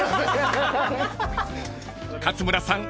［勝村さん